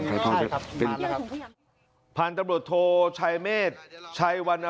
ของไทยพลันแล้วครับเป็นผ่านตบรโทรใชแมตชัยวัน